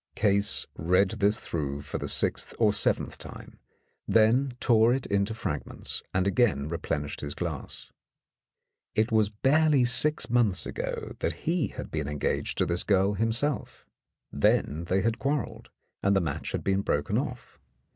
Case read this through for the sixth or seventh time, then tore it into fragments, and again replen ished his glass. It was barely six months ago that he had been engaged to this girl himself; then they had quarrelled, and the match had been broken off.